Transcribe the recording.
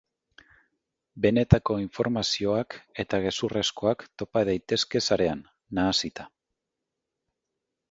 Benetako informazioak eta gezurrezkoak topa daitezke sarean, nahasita.